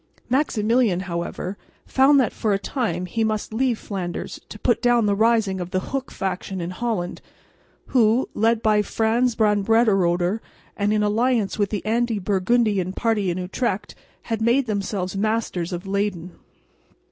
Maximilian, however, found that for a time he must leave Flanders to put down the rising of the Hook faction in Holland, who, led by Frans van Brederode, and in alliance with the anti Burgundian party in Utrecht, had made themselves masters of Leyden.